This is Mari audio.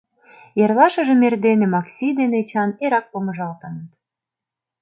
Эрлашыжым эрдене Макси ден Эчан эрак помыжалтыныт.